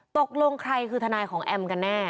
ตกลงใครคือทนายของแอมกันแน่